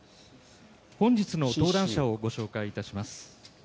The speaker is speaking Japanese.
本日の登壇者をご紹介いたします。